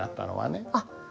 あっ。